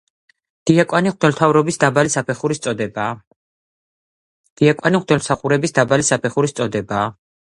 დიაკვანი მღვდელმსახურების დაბალი საფეხურის წოდებაა.